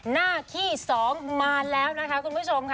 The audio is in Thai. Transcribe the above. นาคี่๒มาแล้วนะครับคุณผู้ชมค่ะ